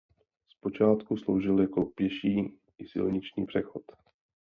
Zpočátku sloužil jako pěší i silniční přechod.